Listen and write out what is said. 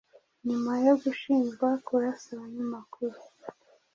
nyuma yo gushinjwa kurasa abanyamakuru